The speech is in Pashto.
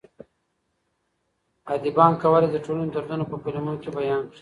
ادئبان کولای سي د ټولني دردونه په کلمو کي بیان کړي.